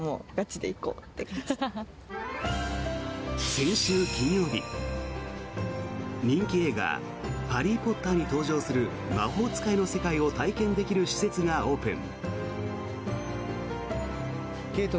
先週金曜日、人気映画「ハリー・ポッター」に登場する魔法使いの世界を体験できる施設がオープン。